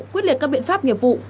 quyết liệt các biện pháp nghiệp vụ